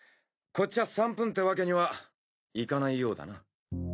こっちは３分ってわけにはいかないようだな。